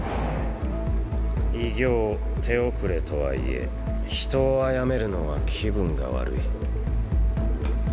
異形手遅れとはいえ人を殺めるのは気分が悪い。